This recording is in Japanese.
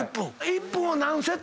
１分を何セット？